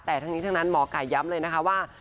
แต่ทั้งนี้หมอกลายย้ำเลยนะคะว่า